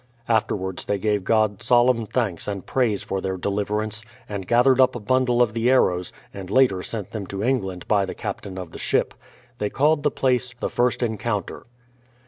Afterwards they gave God solemn thanks and praise for their deliverance, and gathered up a bundle of the arrows, and later sent them to England by the captain of the ship. They called the place "The First Encounter."